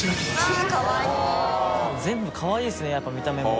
中島）全部かわいいですねやっぱ見た目も。